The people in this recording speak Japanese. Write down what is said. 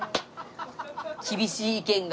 厳しい意見が。